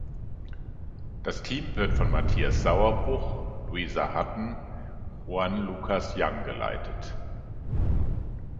Das Team wird von Matthias Sauerbruch, Louisa Hutton, Juan Lucas Young geleitet.